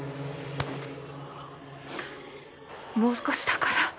もう少しだから。